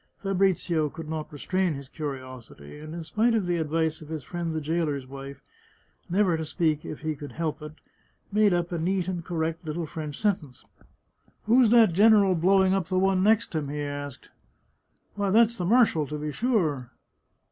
Fabrizio could not re strain his curiosity, and, in spite of the advice of his friend the jailer's wife, never to speak if he could help it, made up a neat and correct little French sentence. " Who's that general blowing up the one next him ?" he asked. " Why, that's the marshal, to be sure